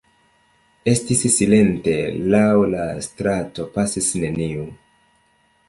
Estis silente, laŭ la strato pasis neniu.